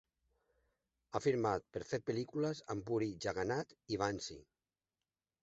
Ha firmat per fer pel·lícules amb Puri Jagannath i Vamsi.